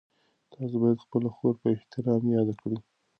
تاسو باید خپله خور په احترام یاده کړئ.